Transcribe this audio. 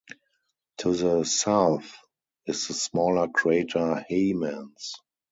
To the south is the smaller crater Heymans.